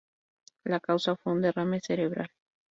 La causa fue un derrame cerebral.